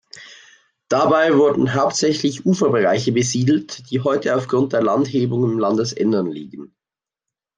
Dabei wurden hauptsächlich Uferbereiche besiedelt, die heute aufgrund der Landhebung im Landesinneren liegen.